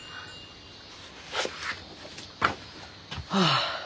はあ。